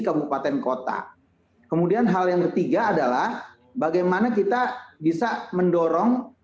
kabupaten kota kemudian hal yang ketiga adalah bagaimana kita bisa mendorong